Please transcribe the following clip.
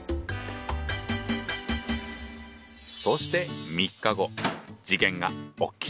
そして３日後事件が起きた。